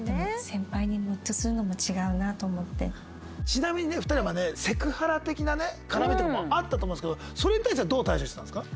ちなみにね２人はセクハラ的なね絡みとかもあったと思うんですけどそれに対してはどう対処してたんですか？